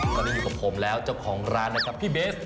ตอนนี้อยู่กับผมแล้วเจ้าของร้านนะครับพี่เบส